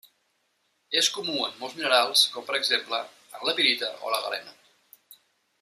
És comú en molts minerals, com per exemple en la pirita o la galena.